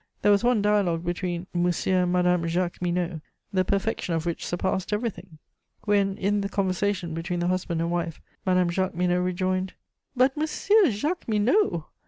There was one dialogue between "Monsieur and Madame Jacqueminot," the perfection of which surpassed everything. When, in the conversation between the husband and wife, Madame Jacqueminot rejoined, "But, _Monsieur Jacqueminot!